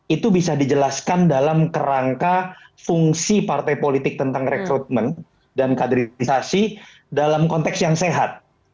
itu bisa dijelaskan dalam kerangka fungsi partai politik tentang rekrutmen dan kaderisasi dalam konteks yang sehat